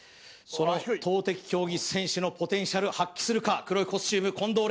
その投てき競技選手のポテンシャル発揮するか黒いコスチューム近藤廉